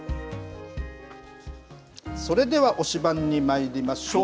それでは推しバン！にまいりましょう。